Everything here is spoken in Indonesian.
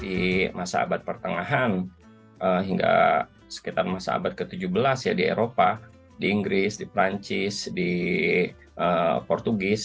di masa abad pertengahan hingga sekitar masa abad ke tujuh belas ya di eropa di inggris di perancis di portugis